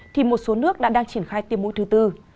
thì một số nước đã đang triển khai tiêm mũi thứ tư